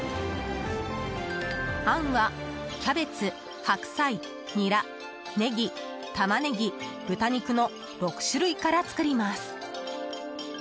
あんはキャベツ、白菜、ニラネギ、タマネギ、豚肉の６種類から作ります。